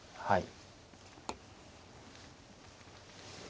はい。